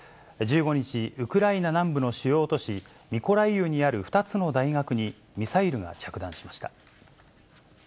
１５日、ウクライナ南部の主要都市、ミコライウにある２つの大学に、ミサイルが着弾しました。